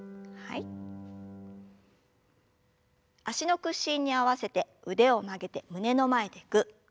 脚の屈伸に合わせて腕を曲げて胸の前でぐっ。